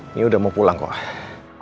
ini udah mau pulang kok ayah